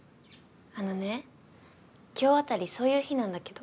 あのね今日あたりそういう日なんだけど。